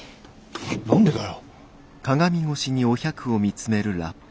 何でだよ。